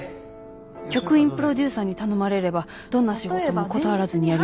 局員プロデューサーに頼まれればどんな仕事も断らずにやります。